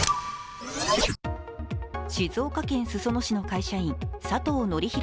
静岡県裾野市の会社員佐藤紀裕